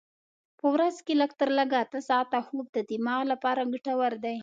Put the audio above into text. په ورځ کې لږ تر لږه اته ساعته خوب د دماغ لپاره ګټور دی.